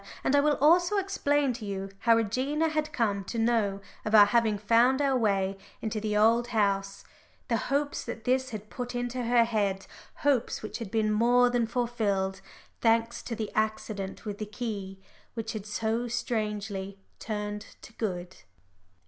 And I will also explain to you how Regina had come to know of our having found our way into the Old House, the hopes that this had put into her head hopes which had been more than fulfilled, thanks to the accident with the key, which had so strangely turned to good.